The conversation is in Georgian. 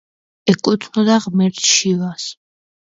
ეკუთვნოდა ღმერთ შივას.